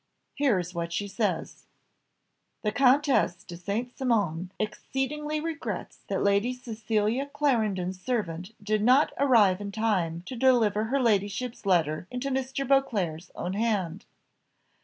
Here is what she says: "'The Comtesse de St. Cymon exceedingly regrets that Lady Cecilia Clarendon's servant did not arrive in time to deliver her ladyship's letter into Mr. Beauclerc's own hand.